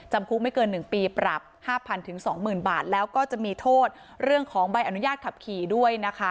จำคุกไม่เกิน๑ปีปรับ๕๐๐๒๐๐บาทแล้วก็จะมีโทษเรื่องของใบอนุญาตขับขี่ด้วยนะคะ